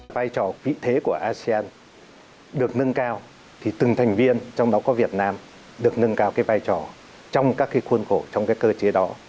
vai trò vị thế của asean được nâng cao thì từng thành viên trong đó có việt nam được nâng cao cái vai trò trong các khuôn khổ trong cái cơ chế đó